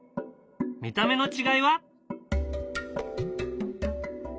見た目の違いは。